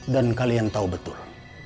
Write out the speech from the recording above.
dan kalian tahu betul